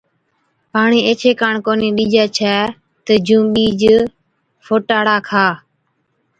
پاڻِي ايڇي ڪاڻ ڪونهِي ڏِجَي ڇَي تہ جُون ٻِيج ڦوٽاڙا کا۔